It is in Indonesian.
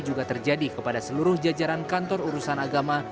juga terjadi kepada seluruh jajaran kantor urusan agama